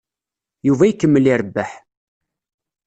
Yuba ikemmel irebbeḥ.